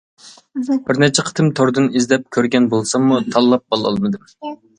بىر نەچچە قېتىم توردىن ئىزدەپ كۆرگەن بولساممۇ تاللاپ بولالمىدىم.